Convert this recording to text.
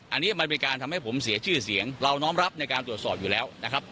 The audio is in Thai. อันนี้มันเป็นการทำให้ผมเสียชื่อเสียงเราน้อมรับในการตรวจสอบอยู่แล้วนะครับ